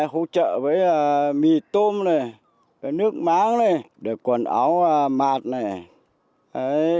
hỗ trợ với mì tôm này nước máu này được quần áo mạt này